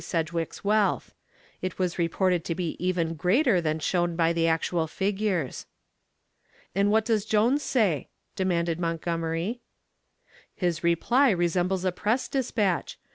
Sedgwick's wealth; it was reported to be even greater than shown by the actual figures. "And what does Mr. Jones say?" demanded Montgomery. "His reply resembles a press dispatch.